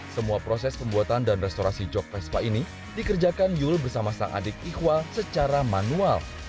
semua proses pembuatan dan restorasi jog vespa ini dikerjakan yul bersama sang adik ikhwa secara manual